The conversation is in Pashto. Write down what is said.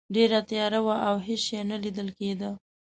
ډیره تیاره وه او هیڅ شی نه لیدل کیده.